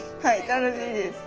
楽しいです。